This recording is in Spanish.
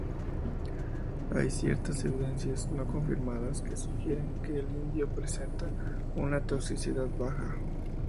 Hay ciertas evidencias no confirmadas que sugieren que el indio presenta una toxicidad baja.